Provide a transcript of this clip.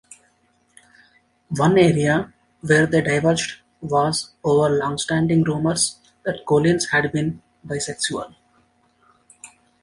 One area where they diverged was over longstanding rumours that Collins had been bisexual.